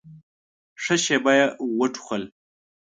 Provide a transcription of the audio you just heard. ښه شېبه يې وټوخل.